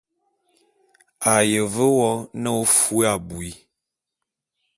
A ye ve wo n'a ô fôé abui.